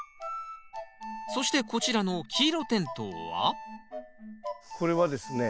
そしてこちらのキイロテントウはこれはですね